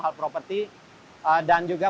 hal property dan juga